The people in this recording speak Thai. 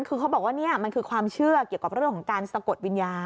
คือเขาบอกว่านี่มันคือความเชื่อเกี่ยวกับเรื่องของการสะกดวิญญาณ